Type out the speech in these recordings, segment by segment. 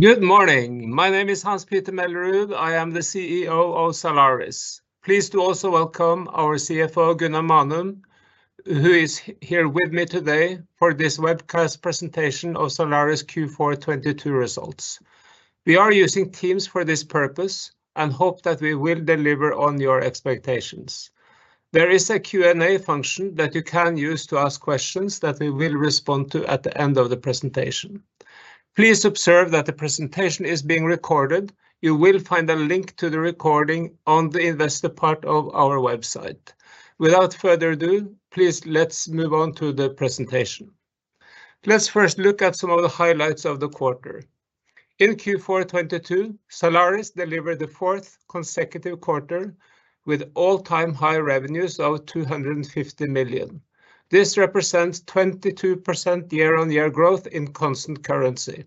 Good morning. My name is Hans-Petter Mellerud. I am the CEO of Zalaris. Pleased to also welcome our CFO, Gunnar Manum, who is here with me today for this webcast presentation of Zalaris Q4 2022 results. We are using Teams for this purpose and hope that we will deliver on your expectations. There is a Q&A function that you can use to ask questions that we will respond to at the end of the presentation. Please observe that the presentation is being recorded. You will find a link to the recording on the investor part of our website. Without further ado, please, let's move on to the presentation. Let's first look at some of the highlights of the quarter. In Q4 2022, Zalaris delivered the fourth consecutive quarter with all-time high revenues of 250 million. This represents 22% year-on-year growth in constant currency.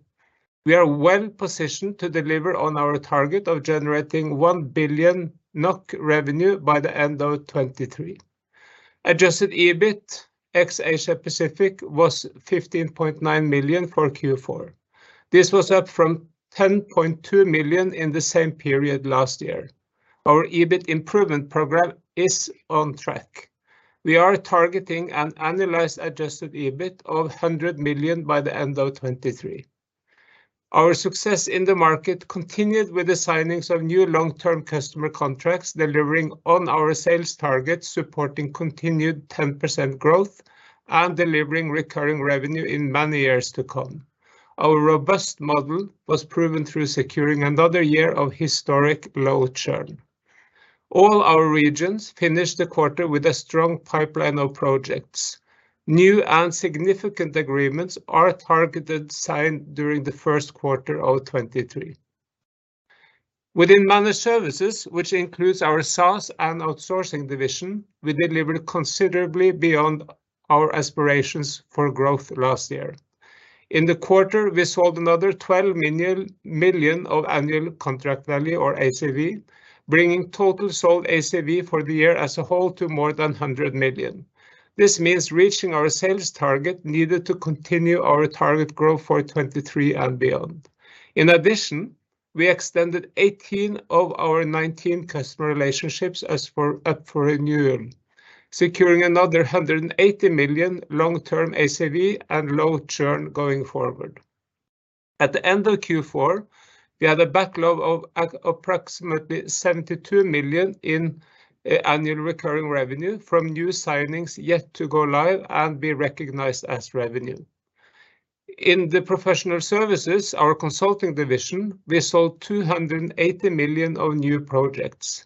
We are well positioned to deliver on our target of generating 1 billion NOK revenue by the end of 2023. Adjusted EBIT, ex-Asia Pacific, was 15.9 million for Q4. This was up from 10.2 million in the same period last year. Our EBIT improvement program is on track. We are targeting an annualized adjusted EBIT of 100 million by the end of 2023. Our success in the market continued with the signings of new long-term customer contracts, delivering on our sales targets, supporting continued 10% growth, and delivering recurring revenue in many years to come. Our robust model was proven through securing another year of historic low churn. All our regions finished the quarter with a strong pipeline of projects. New and significant agreements are targeted signed during the first quarter of 2023. Within Managed Services, which includes our SaaS and outsourcing division, we delivered considerably beyond our aspirations for growth last year. In the quarter, we sold another 12 million of annual contract value, or ACV, bringing total sold ACV for the year as a whole to more than 100 million. This means reaching our sales target needed to continue our target growth for 2023 and beyond. In addition, we extended 18 of our 19 customer relationships up for renewal, securing another 180 million long-term ACV and low churn going forward. At the end of Q4, we had a backlog of approximately 72 million in annual recurring revenue from new signings yet to go live and be recognized as revenue. In the Professional Services, our consulting division, we sold 280 million of new projects.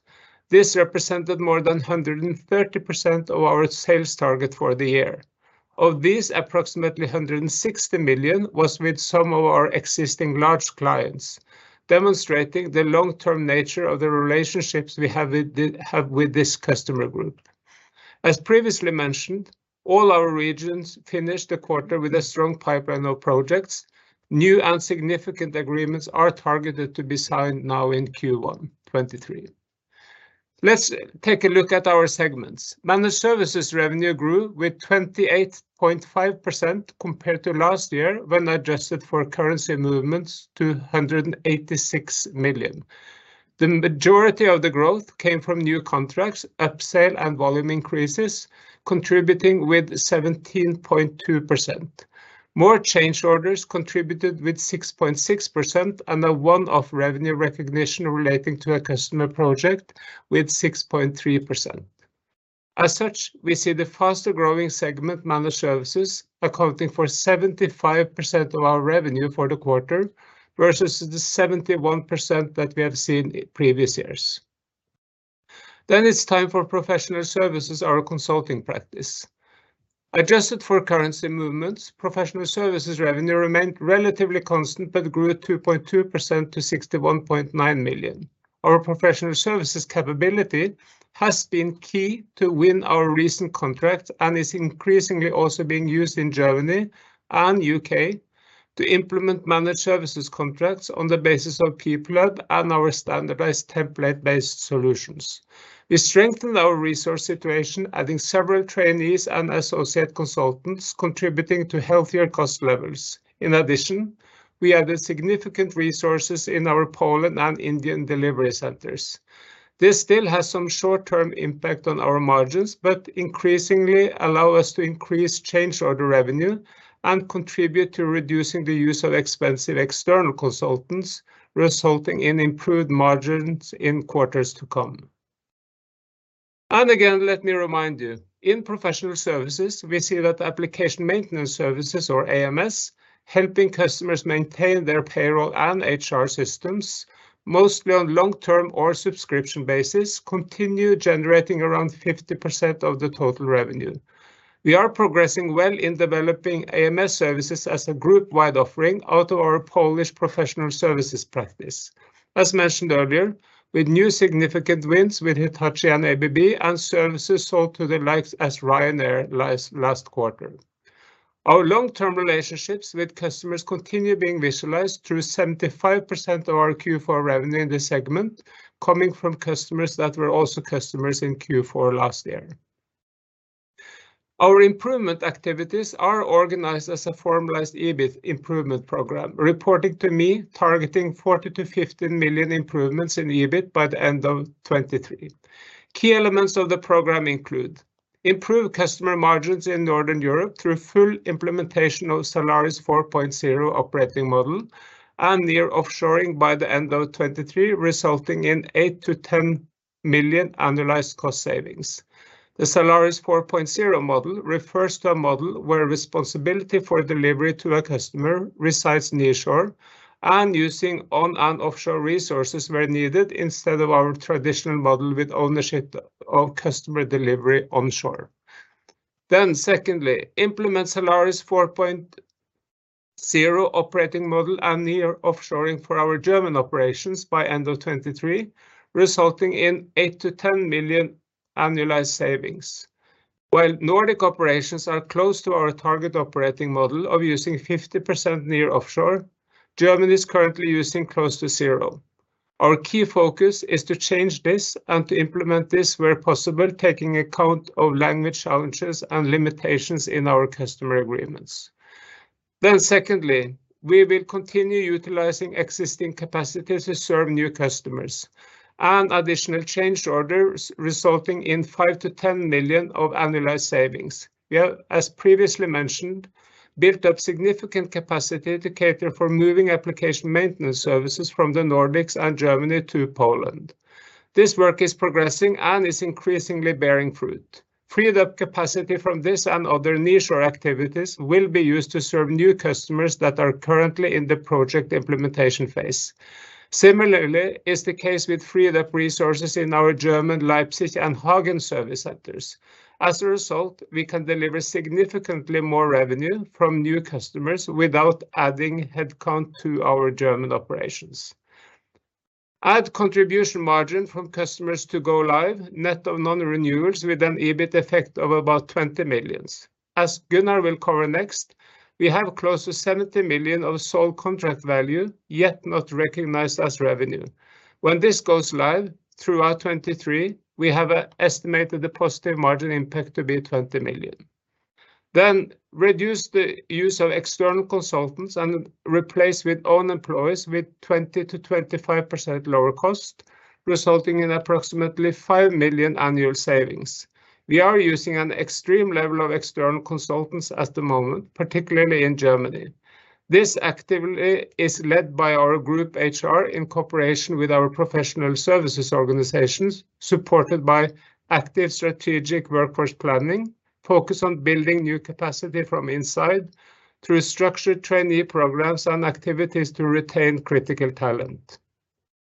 This represented more than 130% of our sales target for the year. Of these, approximately 160 million was with some of our existing large clients, demonstrating the long-term nature of the relationships we have with this customer group. As previously mentioned, all our regions finished the quarter with a strong pipeline of projects. New and significant agreements are targeted to be signed now in Q1 '23. Let's take a look at our segments. Managed Services revenue grew with 28.5% compared to last year when adjusted for currency movements to 186 million. The majority of the growth came from new contracts, upsale and volume increases contributing with 17.2%. More change orders contributed with 6.6% and a one-off revenue recognition relating to a customer project with 6.3%. As such, we see the faster growing segment, Managed Services, accounting for 75% of our revenue for the quarter versus the 71% that we have seen in previous years. It's time for Professional Services, our consulting practice. Adjusted for currency movements, Professional Services revenue remained relatively constant, but grew 2.2% to 61.9 million. Our Professional Services capability has been key to win our recent contract and is increasingly also being used in Germany and U.K. to implement Managed Services contracts on the basis of PeopleHub and our standardized template-based solutions. We strengthened our resource situation, adding several trainees and associate consultants, contributing to healthier cost levels. In addition, we added significant resources in our Poland and Indian delivery centers. This still has some short-term impact on our margins, but increasingly allow us to increase change order revenue and contribute to reducing the use of expensive external consultants, resulting in improved margins in quarters to come. Again, let me remind you, in Professional Services, we see that application maintenance services, or AMS, helping customers maintain their payroll and HR systems, mostly on long-term or subscription basis, continue generating around 50% of the total revenue. We are progressing well in developing AMS services as a group wide offering out of our Polish Professional Services practice. As mentioned earlier, with new significant wins with Hitachi and ABB and services sold to the likes as Ryanair last quarter. Our long-term relationships with customers continue being visualized through 75% of our Q4 revenue in this segment coming from customers that were also customers in Q4 last year. Our improvement activities are organized as a formalized EBIT improvement program, reporting to me, targeting 40 million-15 million improvements in EBIT by the end of 2023. Key elements of the program include: improve customer margins in Northern Europe through full implementation of Zalaris 4.0 operating model, and near offshoring by the end of 2023, resulting in 8 million-10 million annualized cost savings. The Zalaris 4.0 model refers to a model where responsibility for delivery to a customer resides nearshore and using on and offshore resources where needed instead of our traditional model with ownership of customer delivery onshore. Secondly, implement Zalaris 4.0 operating model and near offshoring for our German operations by end of 2023, resulting in 8 million-10 million annualized savings. While Nordic operations are close to our target operating model of using 50% near offshore, Germany is currently using close to 0. Our key focus is to change this and to implement this where possible, taking account of language challenges and limitations in our customer agreements. Secondly, we will continue utilizing existing capacity to serve new customers and additional changed orders resulting in 5 million-10 million of annualized savings. We have, as previously mentioned, built up significant capacity to cater for moving application maintenance services from the Nordics and Germany to Poland. This work is progressing and is increasingly bearing fruit. Freed-up capacity from this and other initial activities will be used to serve new customers that are currently in the project implementation phase. Similarly is the case with freed-up resources in our German Leipzig and Hagen service centers. As a result, we can deliver significantly more revenue from new customers without adding headcount to our German operations. Add contribution margin from customers to go live, net of non-renewals, with an EBIT effect of about 20 million. As Gunnar will cover next, we have close to 70 million of sold contract value, yet not recognized as revenue. When this goes live throughout 2023, we have estimated the positive margin impact to be 20 million. Reduce the use of external consultants and replace with own employees with 20%-25% lower cost, resulting in approximately 5 million annual savings. We are using an extreme level of external consultants at the moment, particularly in Germany. This activity is led by our group HR in cooperation with our Professional Services organizations, supported by active strategic workforce planning, focused on building new capacity from inside through structured trainee programs and activities to retain critical talent.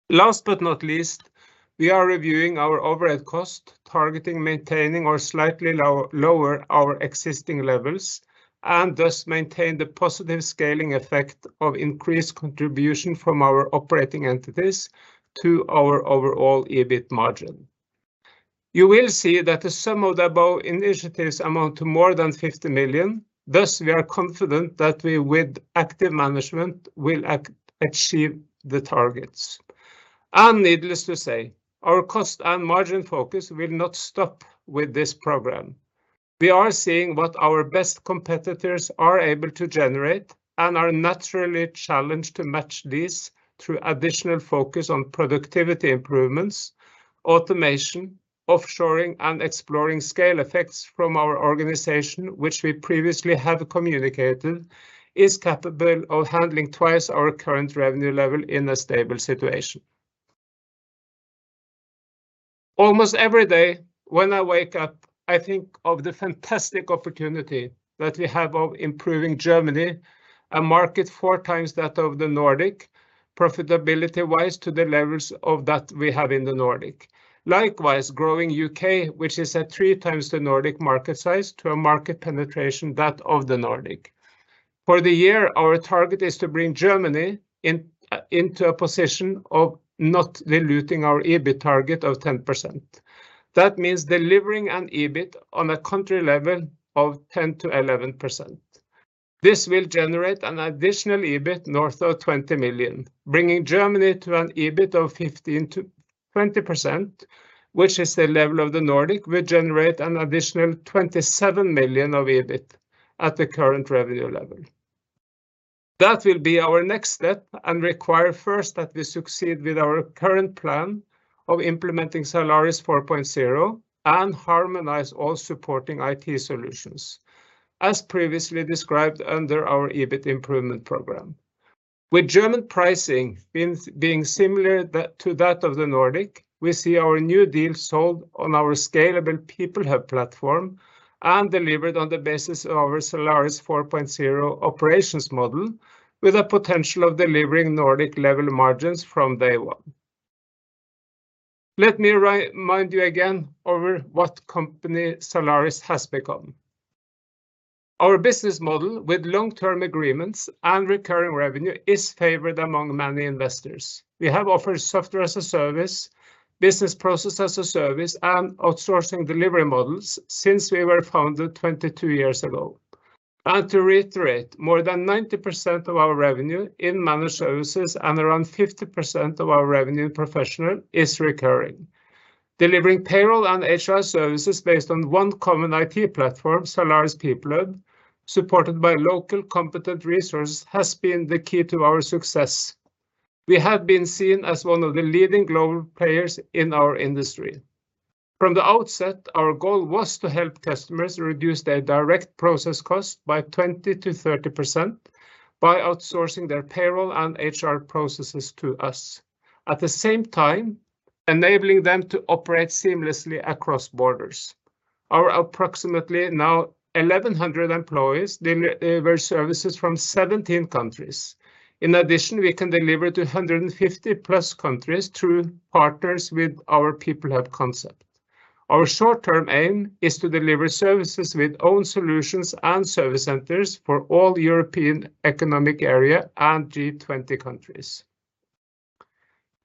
Last but not least, we are reviewing our overhead cost, targeting maintaining or slightly lower our existing levels, and thus maintain the positive scaling effect of increased contribution from our operating entities to our overall EBIT margin. You will see that the sum of the above initiatives amount to more than 50 million. Thus, we are confident that we, with active management, will achieve the targets. Needless to say, our cost and margin focus will not stop with this program. We are seeing what our best competitors are able to generate and are naturally challenged to match this through additional focus on productivity improvements, automation, offshoring, and exploring scale effects from our organization, which we previously have communicated is capable of handling twice our current revenue level in a stable situation. Almost every day when I wake up, I think of the fantastic opportunity that we have of improving Germany, a market four times that of the Nordic, profitability-wise to the levels of that we have in the Nordic. Likewise, growing U.K., which is at three times the Nordic market size, to a market penetration that of the Nordic. For the year, our target is to bring Germany into a position of not diluting our EBIT target of 10%. That means delivering an EBIT on a country level of 10%-11%. This will generate an additional EBIT north of 20 million. Bringing Germany to an EBIT of 15%-20%, which is the level of the Nordic, will generate an additional 27 million of EBIT at the current revenue level. That will be our next step and require first that we succeed with our current plan of implementing Zalaris 4.0 and harmonize all supporting IT solutions as previously described under our EBIT improvement program. With German pricing being similar to that of the Nordic, we see our new deal sold on our scalable PeopleHub platform and delivered on the basis of our Zalaris 4.0 operations model with a potential of delivering Nordic level margins from day one. Let me remind you again over what company Zalaris has become. Our business model with long-term agreements and recurring revenue is favored among many investors. We have offered software as a service, business process as a service, and outsourcing delivery models since we were founded 22 years ago. To reiterate, more than 90% of our revenue in Managed Services and around 50% of our revenue Professional Services is recurring. Delivering payroll and HR services based on one common IT platform, Zalaris PeopleHub, supported by local competent resources, has been the key to our success. We have been seen as one of the leading global players in our industry. From the outset, our goal was to help customers reduce their direct process cost by 20%-30% by outsourcing their payroll and HR processes to us. At the same time, enabling them to operate seamlessly across borders. Our approximately now 1,100 employees deliver services from 17 countries. In addition, we can deliver to 150+ countries through partners with our PeopleHub concept. Our short-term aim is to deliver services with own solutions and service centers for all European Economic Area and G20 countries.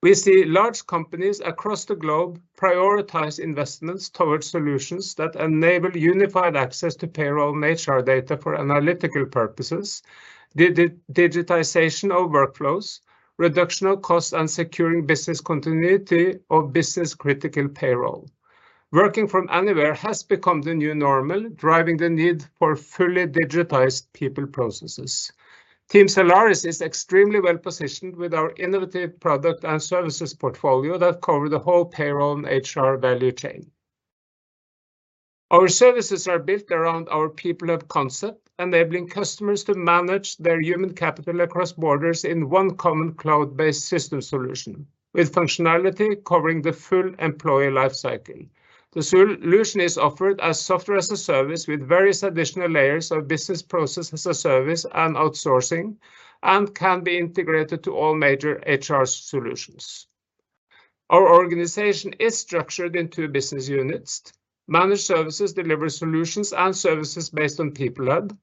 We see large companies across the globe prioritize investments towards solutions that enable unified access to payroll and HR data for analytical purposes. The digitization of workflows, reduction of cost, and securing business continuity of business-critical payroll. Working from anywhere has become the new normal, driving the need for fully digitized people processes. Team Zalaris is extremely well positioned with our innovative product and services portfolio that cover the whole payroll and HR value chain. Our services are built around our PeopleHub concept, enabling customers to manage their human capital across borders in one common cloud-based system solution, with functionality covering the full employee life cycle. The solution is offered as Software as a Service with various additional layers of Business Process as a Service and outsourcing, and can be integrated to all major HR solutions. Our organization is structured in two business units. Managed Services deliver solutions and services based on PeopleHub,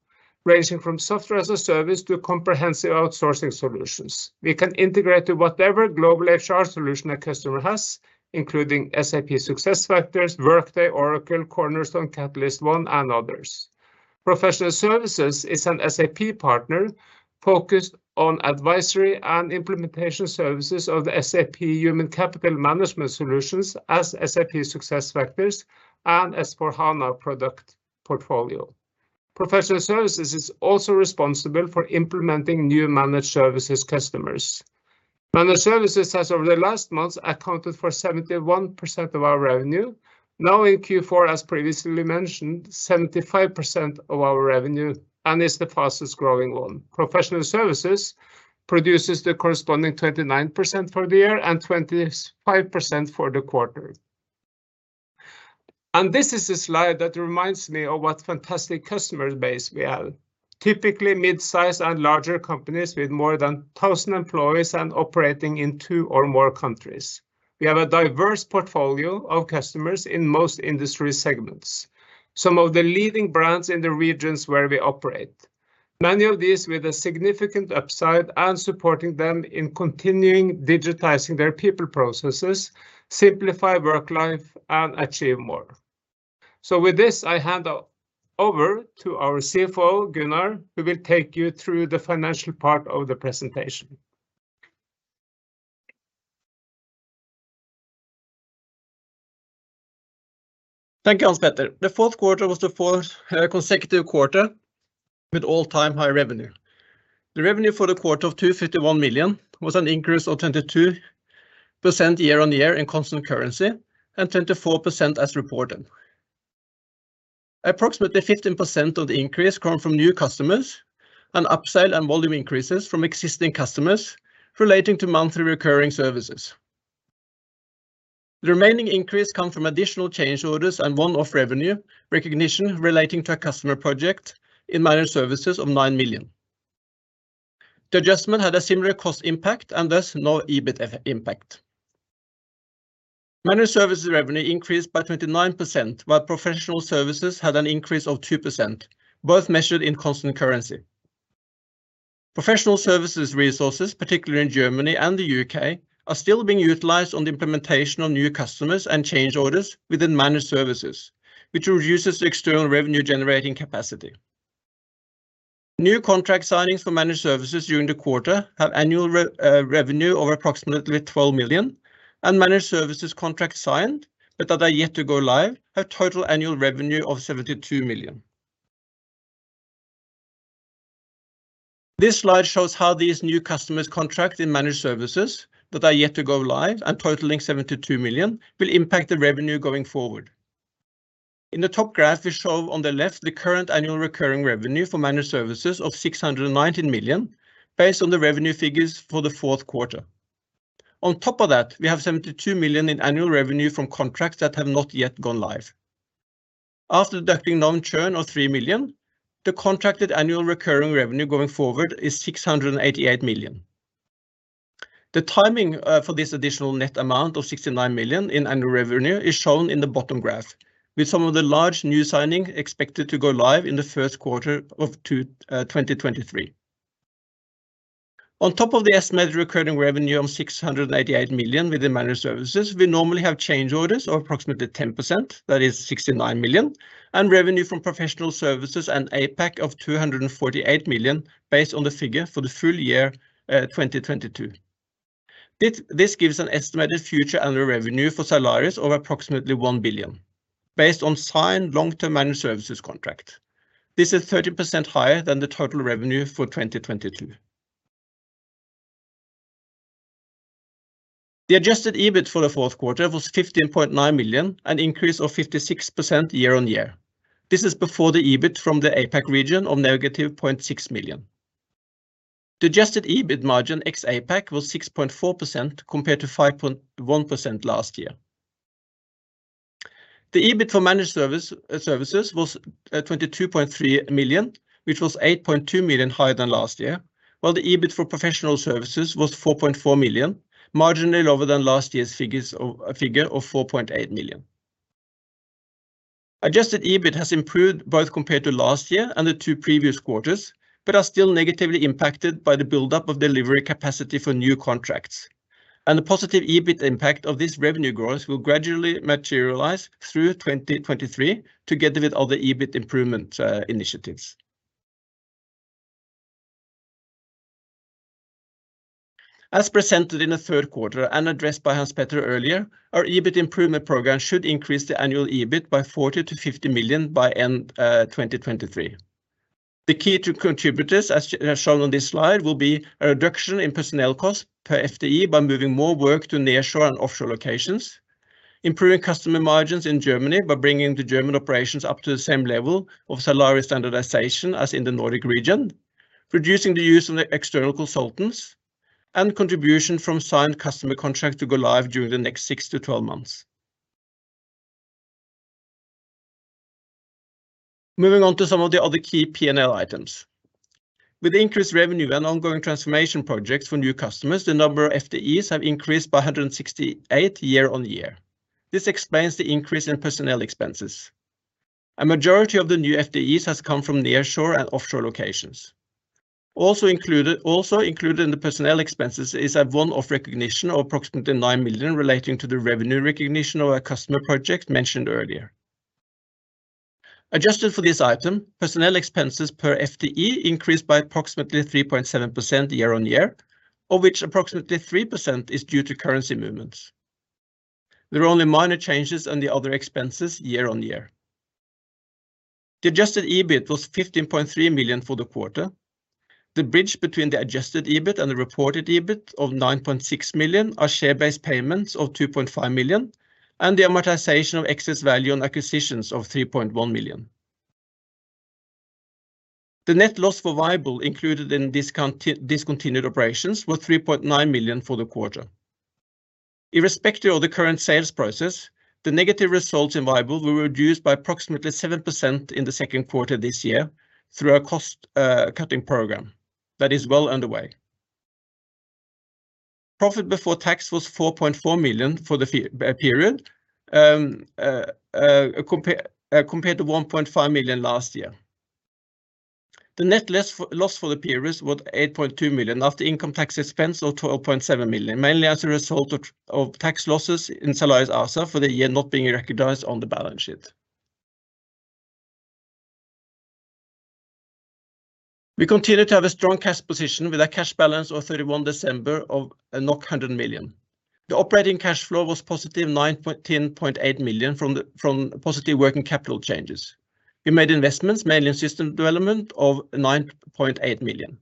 ranging from Software as a Service to comprehensive outsourcing solutions. We can integrate to whatever global HR solution a customer has, including SAP SuccessFactors, Workday, Oracle, Cornerstone, CatalystOne and others. Professional Services is an SAP partner focused on advisory and implementation services of SAP Human Capital Management solutions as SAP SuccessFactors and S/4HANA product portfolio. Professional Services is also responsible for implementing new Managed Services customers. Managed Services has, over the last months, accounted for 71% of our revenue. Now in Q4, as previously mentioned, 75% of our revenue and is the fastest growing one. Professional Services produces the corresponding 29% for the year and 25% for the quarter. This is a slide that reminds me of what fantastic customer base we have. Typically midsize and larger companies with more than 1,000 employees and operating in two or more countries. We have a diverse portfolio of customers in most industry segments, some of the leading brands in the regions where we operate. Many of these with a significant upside and supporting them in continuing digitizing their people processes, simplify work life and achieve more. With this, I hand over to our CFO, Gunnar, who will take you through the financial part of the presentation. Thank you, Hans Petter. The fourth quarter was the fourth consecutive quarter with all-time high revenue. The revenue for the quarter of 251 million was an increase of 22% year-on-year in constant currency, and 24% as reported. Approximately 15% of the increase come from new customers and upside and volume increases from existing customers relating to monthly recurring services. The remaining increase come from additional change orders and one of revenue recognition relating to a customer project in Managed Services of 9 million. The adjustment had a similar cost impact and thus no EBIT impact. Managed Services revenue increased by 29%, while Professional Services had an increase of 2%, both measured in constant currency. Professional services resources, particularly in Germany and the U.K., are still being utilized on the implementation of new customers and change orders within Managed Services, which reduces the external revenue generating capacity. New contract signings for Managed Services during the quarter have annual revenue over approximately 12 million, and Managed Services contracts signed, but that are yet to go live, have total annual revenue of 72 million. This slide shows how these new customers contract in Managed Services that are yet to go live and totaling 72 million will impact the revenue going forward. In the top graph, we show on the left the current annual recurring revenue for Managed Services of 619 million based on the revenue figures for the fourth quarter. On top of that, we have 72 million in annual revenue from contracts that have not yet gone live. After deducting non-churn of 3 million, the contracted annual recurring revenue going forward is 688 million. The timing for this additional net amount of 69 million in annual revenue is shown in the bottom graph, with some of the large new signing expected to go live in the first quarter of 2023. On top of the estimated recurring revenue of 688 million with the Managed Services, we normally have change orders of approximately 10%, that is 69 million, and revenue from Professional Services and APAC of 248 million based on the figure for the full year 2022. This gives an estimated future annual revenue for Zalaris of approximately 1 billion based on signed long-term Managed Services contract. This is 30% higher than the total revenue for 2022. The adjusted EBIT for the fourth quarter was 15.9 million, an increase of 56% year-on-year. This is before the EBIT from the APAC region of negative 0.6 million. The adjusted EBIT margin ex-APAC was 6.4% compared to 5.1% last year. The EBIT for Managed Services was 22.3 million, which was 8.2 million higher than last year, while the EBIT for Professional Services was 4.4 million, marginally lower than last year's figure of 4.8 million. Adjusted EBIT has improved both compared to last year and the two previous quarters but are still negatively impacted by the buildup of delivery capacity for new contracts. The positive EBIT impact of this revenue growth will gradually materialize through 2023 together with other EBIT improvement initiatives. As presented in the third quarter and addressed by Hans-Petter earlier, our EBIT improvement program should increase the annual EBIT by 40 million-50 million by end 2023. The key contributors, as shown on this slide, will be a reduction in personnel costs per FTE by moving more work to nearshore and offshore locations, improving customer margins in Germany by bringing the German operations up to the same level of Zalaris standardization as in the Nordic region, reducing the use of external consultants, and contribution from signed customer contracts to go live during the next 6-12 months. Moving on to some of the other key P&L items. With increased revenue and ongoing transformation projects for new customers, the number of FTEs have increased by 168 year-on-year. This explains the increase in personnel expenses. A majority of the new FTEs has come from nearshore and offshore locations. Also included in the personnel expenses is a one-off recognition of approximately 9 million relating to the revenue recognition of a customer project mentioned earlier. Adjusted for this item, personnel expenses per FTE increased by approximately 3.7% year-on-year, of which approximately 3% is due to currency movements. There were only minor changes on the other expenses year-on-year. The adjusted EBIT was 15.3 million for the quarter. The bridge between the adjusted EBIT and the reported EBIT of 9.6 million are share-based payments of 2.5 million and the amortization of excess value on acquisitions of 3.1 million. The net loss for vyble included in discontinued operations was 3.9 million for the quarter. Irrespective of the current sales process, the negative results in vyble were reduced by approximately 7% in the second quarter this year through a cost cutting program that is well underway. Profit before tax was 4.4 million for the period, compared to 1.5 million last year. The net loss for the period was 8.2 million after income tax expense of 12.7 million, mainly as a result of tax losses in Zalaris ASA for the year not being recognized on the balance sheet. We continue to have a strong cash position with a cash balance of 31 December of 100 million. The operating cash flow was positive 10.8 million from positive working capital changes. We made investments mainly in system development of 9.8 million.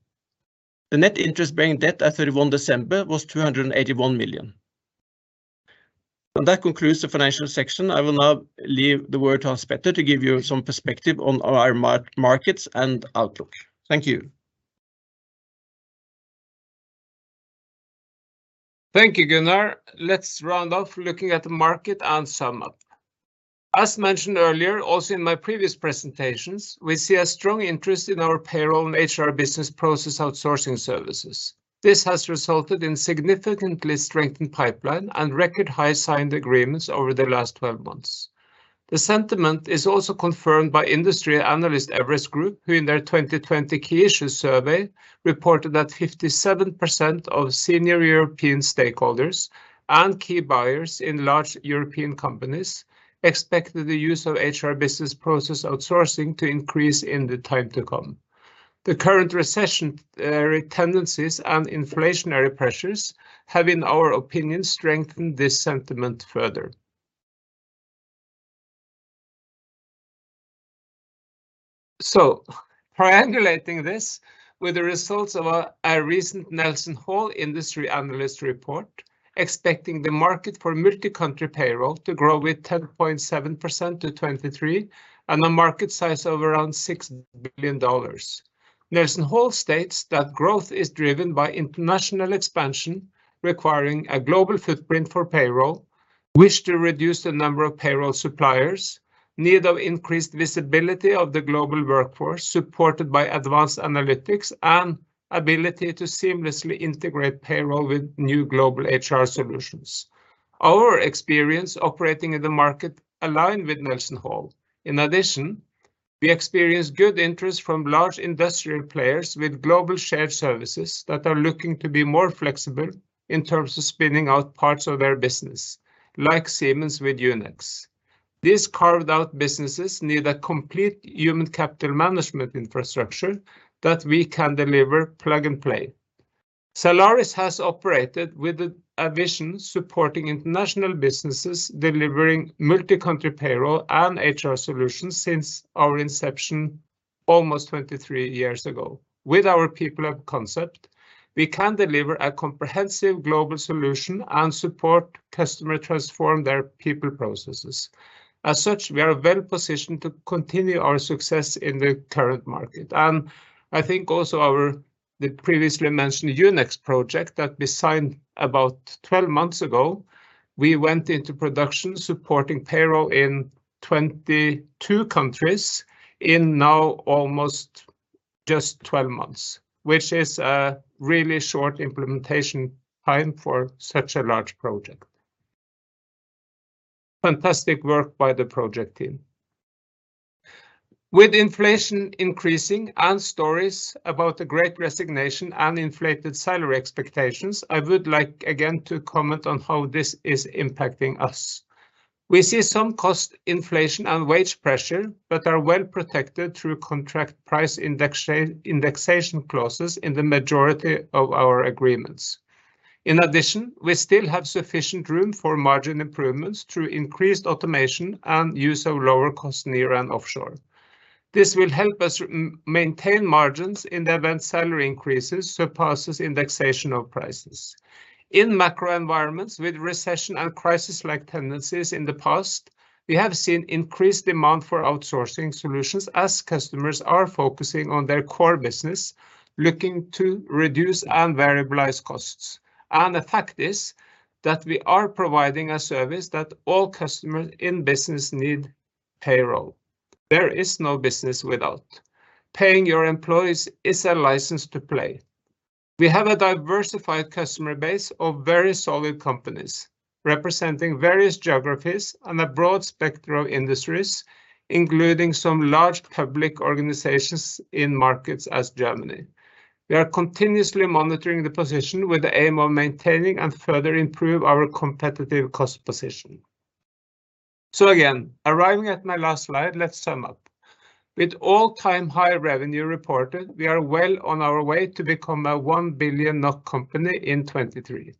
The net interest-bearing debt at 31 December was 281 million. That concludes the financial section. I will now leave the word to Hans Petter to give you some perspective on our markets and outlook. Thank you. Thank you, Gunnar. Let's round off looking at the market and sum up. As mentioned earlier, also in my previous presentations, we see a strong interest in our payroll and HR business process outsourcing services. This has resulted in significantly strengthened pipeline and record high signed agreements over the last 12 months. The sentiment is also confirmed by industry analyst Everest Group, who in their 2020 key issue survey reported that 57% of senior European stakeholders and key buyers in large European companies expected the use of HR business process outsourcing to increase in the time to come. The current recession, tendencies and inflationary pressures have, in our opinion, strengthened this sentiment further. Triangulating this with the results of a recent NelsonHall industry analyst report expecting the market for Multi-Country Payroll to grow with 10.7% to 23 and a market size of around $6 billion. NelsonHall states that growth is driven by international expansion requiring a global footprint for payroll, wish to reduce the number of payroll suppliers, need of increased visibility of the global workforce supported by advanced analytics, and ability to seamlessly integrate payroll with new global HR solutions. Our experience operating in the market align with NelsonHall. In addition, we experience good interest from large industrial players with global shared services that are looking to be more flexible in terms of spinning out parts of their business, like Siemens with Unify. These carved-out businesses need a complete Human Capital Management infrastructure that we can deliver plug and play. Zalaris has operated with a vision supporting international businesses delivering Multi-Country Payroll and HR solutions since our inception almost 23 years ago. With our people of concept, we can deliver a comprehensive global solution and support customer transform their people processes. As such, we are well positioned to continue our success in the current market. I think also our previously mentioned Unify project that we signed about 12 months ago, we went into production supporting payroll in 22 countries in now almost just 12 months, which is a really short implementation time for such a large project. Fantastic work by the project team. With inflation increasing and stories about the great resignation and inflated salary expectations, I would like again to comment on how this is impacting us. We see some cost inflation and wage pressure but are well protected through contract price indexation clauses in the majority of our agreements. In addition, we still have sufficient room for margin improvements through increased automation and use of lower cost near and offshore. This will help us maintain margins in the event salary increases surpasses indexation of prices. In macro environments with recession and crisis-like tendencies in the past, we have seen increased demand for outsourcing solutions as customers are focusing on their core business, looking to reduce and variabilize costs. The fact is that we are providing a service that all customers in business need payroll. There is no business without. Paying your employees is a license to play. We have a diversified customer base of very solid companies representing various geographies and a broad spectrum of industries, including some large public organizations in markets as Germany. We are continuously monitoring the position with the aim of maintaining and further improve our competitive cost position. Again, arriving at my last slide, let's sum up. With all-time high revenue reported, we are well on our way to become a 1 billion NOK company in 2023.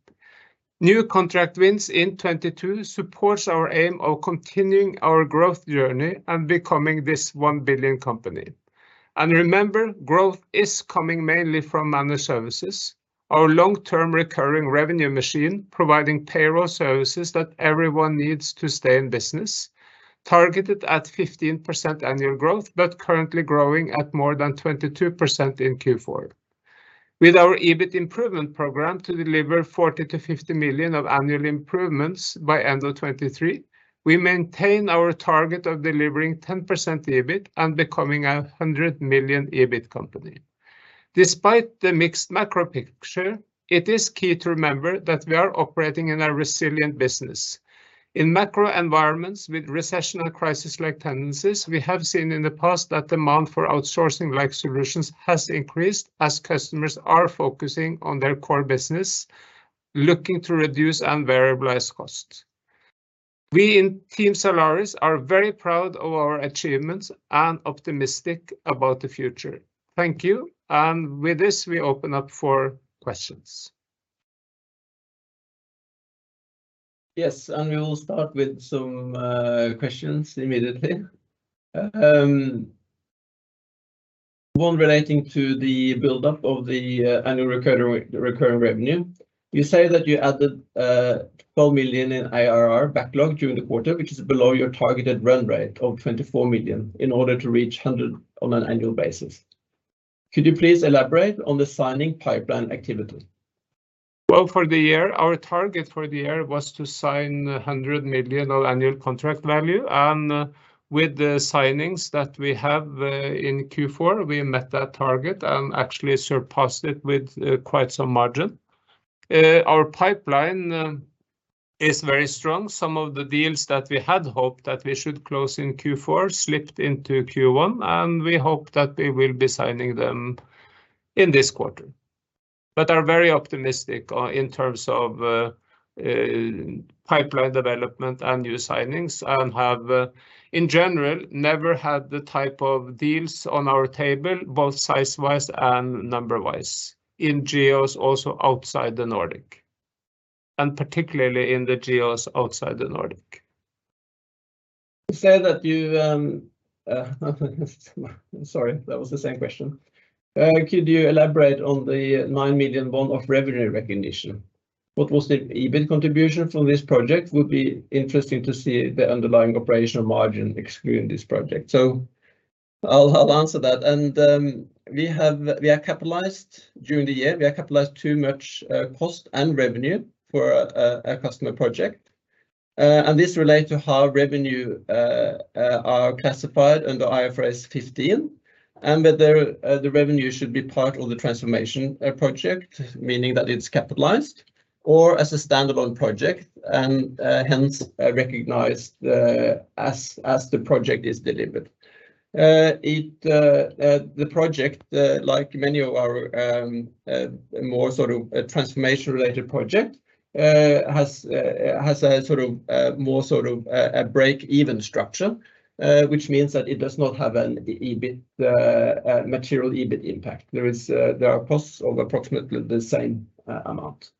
New contract wins in 2022 supports our aim of continuing our growth journey and becoming this 1 billion company. Remember, growth is coming mainly from Managed Services, our long-term recurring revenue machine providing payroll services that everyone needs to stay in business, targeted at 15% annual growth but currently growing at more than 22% in Q4. With our EBIT improvement program to deliver 40 million-50 million of annual improvements by end of 2023, we maintain our target of delivering 10% EBIT and becoming a 100 million EBIT company. Despite the mixed macro picture, it is key to remember that we are operating in a resilient business. In macro environments with recession and crisis-like tendencies, we have seen in the past that demand for outsourcing-like solutions has increased as customers are focusing on their core business, looking to reduce and variabilize costs. We in team Zalaris are very proud of our achievements and optimistic about the future. Thank you. With this, we open up for questions. Yes, we will start with some questions immediately. One relating to the build-up of the annual recurring revenue. You say that you added 12 million in ARR backlog during the quarter, which is below your targeted run rate of 24 million in order to reach 100 on an annual basis. Could you please elaborate on the signing pipeline activity? For the year, our target for the year was to sign 100 million of annual contract value and with the signings that we have in Q4, we met that target and actually surpassed it with quite some margin. Our pipeline is very strong. Some of the deals that we had hoped that we should close in Q4 slipped into Q1, and we hope that we will be signing them in this quarter. Are very optimistic in terms of pipeline development and new signings and have, in general, never had the type of deals on our table, both size-wise and number-wise, in geos also outside the Nordic, and particularly in the geos outside the Nordic. You said that you. Sorry, that was the same question. Could you elaborate on the NOK 9 million one-off revenue recognition? What was the EBIT contribution from this project? Would be interesting to see the underlying operational margin excluding this project. I'll answer that. We are capitalized during the year. We are capitalized too much cost and revenue for a customer project. This relate to how revenue are classified under IFRS 15, and whether the revenue should be part of the transformation project, meaning that it's capitalized. Or as a standalone project, and hence recognized as the project is delivered. It, the project, like many of our, more sort of transformation-related project, has a sort of, more sort of a break-even structure, which means that it does not have an EBIT, material EBIT impact. There are costs of approximately the same amount.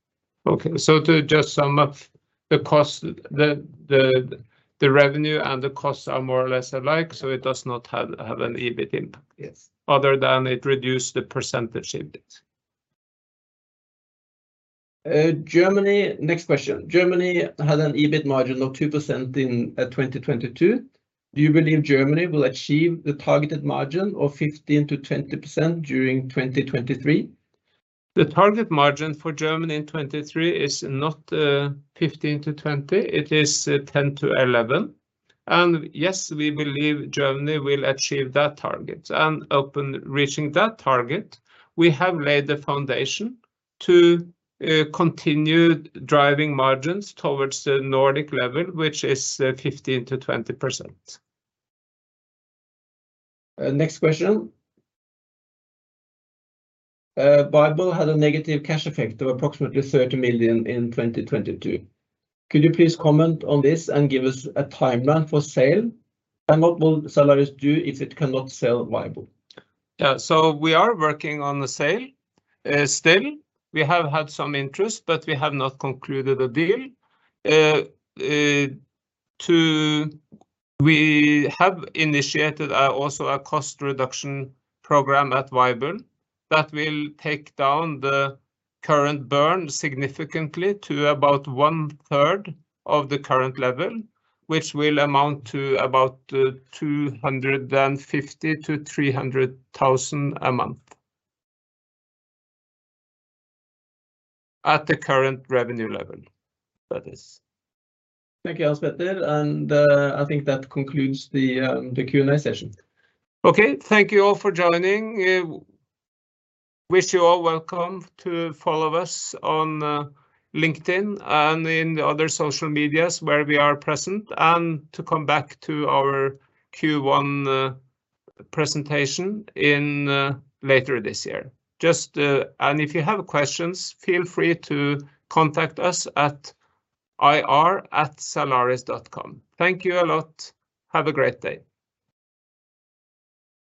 Okay. To just sum up the cost, the revenue and the costs are more or less alike, so it does not have an EBIT impact. Yes other than it reduced the % EBIT. Germany, next question. Germany had an EBIT margin of 2% in 2022. Do you believe Germany will achieve the targeted margin of 15%-20% during 2023? The target margin for Germany in 2023 is not 15%-20%, it is 10%-11%. Yes, we believe Germany will achieve that target. Upon reaching that target, we have laid the foundation to continue driving margins towards the Nordic level, which is 15%-20%. Next question. vyble had a negative cash effect of approximately 30 million in 2022. Could you please comment on this and give us a timeline for sale? What will Zalaris do if it cannot sell vyble? We are working on the sale, still. We have had some interest, but we have not concluded a deal. We have initiated also a cost reduction program at vyble that will take down the current burn significantly to about one-third of the current level, which will amount to about 250,000-300,000 a month. At the current revenue level, that is. Thank you, Hans-Petter. I think that concludes the Q&A session. Okay. Thank you all for joining. Wish you all welcome to follow us on LinkedIn and in the other social medias where we are present, and to come back to our Q1 presentation later this year. Just, if you have questions, feel free to contact us at ir@zalaris.com. Thank you a lot. Have a great day.